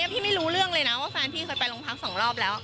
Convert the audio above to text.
พี่ไม่รู้เรื่องเลยนะที่แฟนพี่ไปลงพัก๒รอบแล้ว